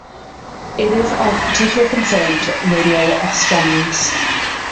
It is of particular concern to radio astronomers.